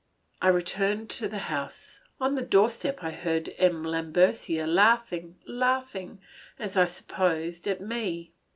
I returned to the house; on the doorstep I heard M. Lambercier laughing, laughing, as I supposed, at me.